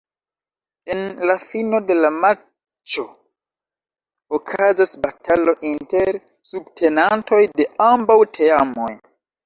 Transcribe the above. En la fino de la matĉo okazas batalo inter subtenantoj de ambaŭ teamoj.